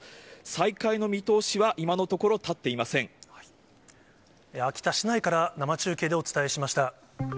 再開の見通しは、今のところ、秋田市内から、生中継でお伝えしました。